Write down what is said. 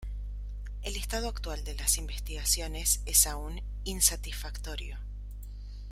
El estado actual de las investigaciones es aún insatisfactorio.